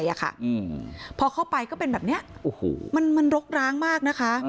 พอเข้าไปก็เป็นแบบนี้มันรกร้างมากนะคะ